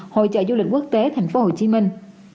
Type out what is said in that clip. hội trợ du lịch quốc tế thành phố hồ chí minh